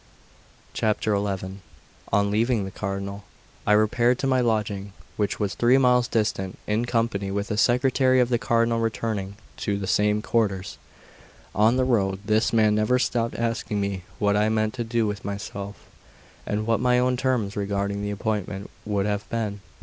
XI ON leaving the Cardinal I repaired to my lodging, which was three miles distant, in company with a secretary of the Cardinal returning to the same quarters. On the road, this man never stopped asking me what I meant to do with myself, and what my own terms regarding the appointment would have been.